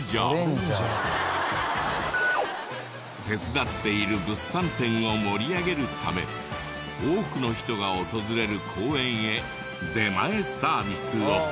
手伝っている物産店を盛り上げるため多くの人が訪れる公園へ出前サービスを。